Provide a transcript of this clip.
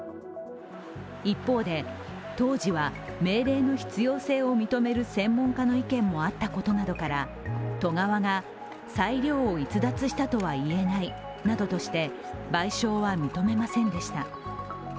一方で、当時は命令の必要性を認める専門家の意見もあったことなどから都側が裁量を逸脱したとはいえないなどとして賠償は認めませんでした。